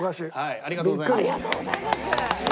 ありがとうございます。